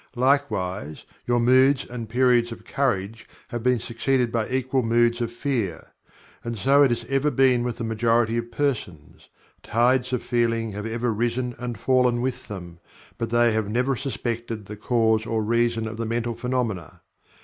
Likewise, your moods and periods of Courage have been succeeded by equal moods of Fear. And so it has ever been with the majority of persons tides of feeling have ever risen and fallen with them, but they have never suspected the cause or reason of the mental phenomena.